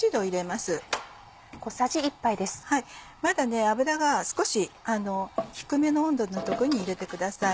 まだ油が少し低めの温度のところに入れてください。